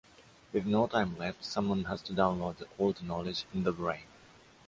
With no time left, someone has to download the Old knowledge in the brain.